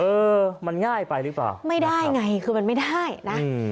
เออมันง่ายไปหรือเปล่าไม่ได้ไงคือมันไม่ได้นะอืม